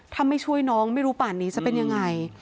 ถ้าไม่ช่วยน้องไม่รู้ป่านนี้จะเป็นยังไง